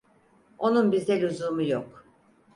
Onun bize lüzumu yok…